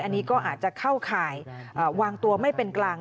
อันนี้ก็อาจจะเข้าข่ายวางตัวไม่เป็นกลาง